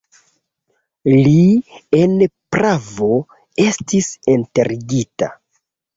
Li en Prago estis enterigita.